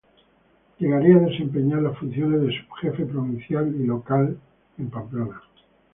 Llegaría a desempeñar las funciones de subjefe provincial y local de Falange en Pamplona.